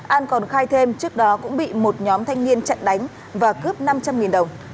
an còn khai thêm trước đó cũng bị một nhóm thanh niên chặn đánh và cướp năm trăm linh đồng